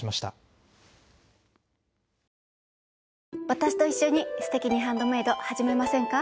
私と一緒に「すてきにハンドメイド」始めませんか？